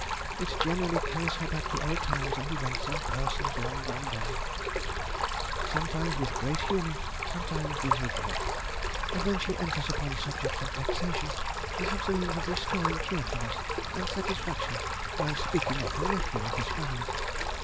It generally carries her back to old times and events and persons long gone by, sometimes with great humour, sometimes with regret; and when she enters upon subjects of vexation, I have the means of restoring cheerfulness and satisfaction by speaking of her nephew and his family.